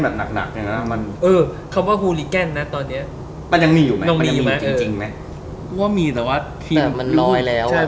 แต่ว่าทีมมันรอยแล้วอะ